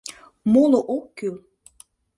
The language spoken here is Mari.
Моло ок кӱл...